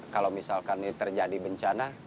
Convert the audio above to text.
kalau misalkan ini terjadi bencana